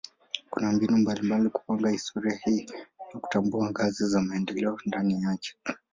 Kuna mbinu mbalimbali kupanga historia hii na kutambua ngazi za maendeleo ndani yake.